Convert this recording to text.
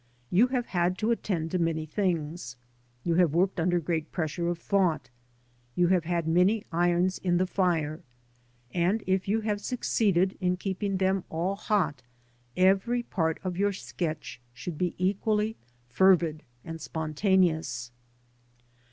You have had to attend to many things, you have worked under great pressure of thought, you have had many irons in the fire, and, if you have succeeded in keeping them all hot, every part of your sketch should be equally fervid and spontaneous.